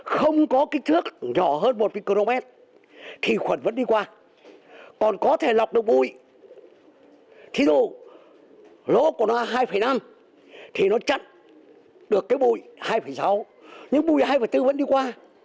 không có kích thước rõ hơn một micromet thì khuẩn vẫn đi qua còn có thể lọc được bụi thí dụ lỗ của nó hai năm thì nó chắc được cái bụi hai sáu nhưng bụi hai bốn vẫn đi qua